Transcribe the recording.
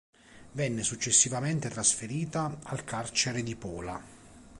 Venne successivamente trasferita al carcere di Pola.